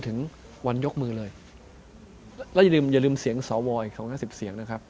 ถึงวันยกมือเลยแล้วอย่าลืมอย่าลืมเสียงสวอีกสองห้าสิบเสียงนะครับ